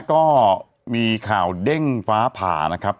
ก็มีข่าวเด้งฟ้าผ่านะครับ